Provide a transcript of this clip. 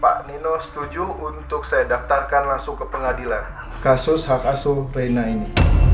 pak nino setuju untuk saya daftarkan langsung ke pengadilan kasus hak asuh pleina ini